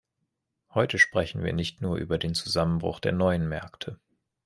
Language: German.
Heute sprechen wir nicht nur über den Zusammenbruch der neuen Märkte.